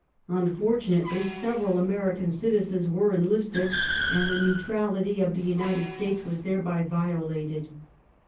Unfortunately, several American citizens were enlisted, and the neutrality of the United States was. thereby violated.